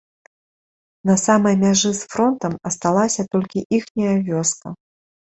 На самай мяжы з фронтам асталася толькі іхняя вёска.